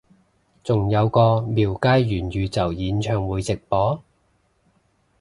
仲有個廟街元宇宙演唱會直播？